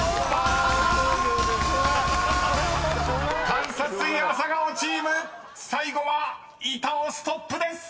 ［監察医朝顔チーム最後は板尾ストップです。